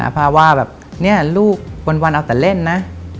พาว่าแบบเนี่ยลูกวันเอาแต่เล่นนะ